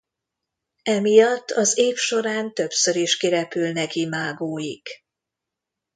Emiatt az év során többször is kirepülnek imágóik.